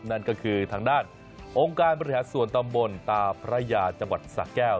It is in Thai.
นั่นก็คือทางด้านองค์การบริหารส่วนตำบลตาพระยาจังหวัดสะแก้ว